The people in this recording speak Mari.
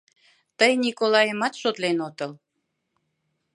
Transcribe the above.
Тый Николайымат шотлен отыл!